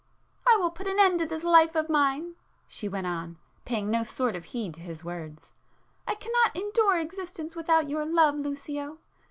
"I will put an end to this life of mine;" she went on, paying no sort of heed to his words—"I cannot endure existence without your love, Lucio!"